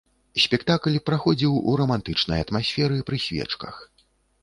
Спектакль праходзіў у рамантычнай атмасферы, пры свечках.